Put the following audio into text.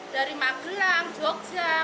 dari magelang jogja klaten